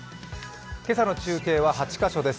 今朝の中継は８カ所です。